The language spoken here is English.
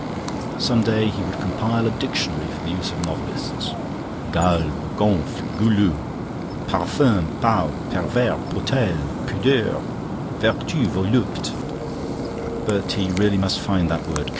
Some day he would compile a dictionary for the use of novelists. Galbe, gonfle, goulu: parfum, peau, pervers, potele, pudeur: vertu, volupte. But he really must find that word.